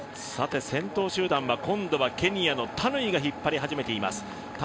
先頭集団は今度はケニアのタヌイが引っ張り始めています。